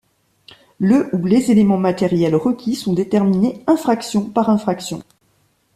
Le ou les éléments matériels requis sont déterminés infraction par infraction.